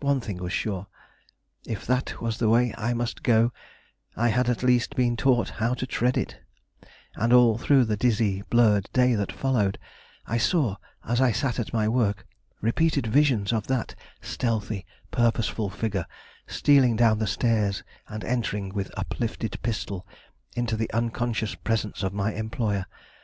One thing was sure; if that was the way I must go, I had at least been taught how to tread it; and all through the dizzy, blurred day that followed, I saw, as I sat at my work, repeated visions of that stealthy, purposeful figure stealing down the stairs and entering with uplifted pistol into the unconscious presence of my employer.